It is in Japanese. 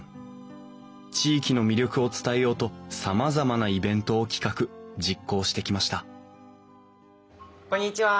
地域の魅力を伝えようとさまざまなイベントを企画実行してきましたこんにちは。